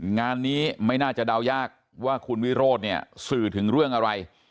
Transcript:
งานนี้ไม่น่าจะเดายากว่าคุณวิโรธเนี่ยสื่อถึงเรื่องอะไร